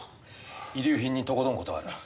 遺留品にとことんこだわる。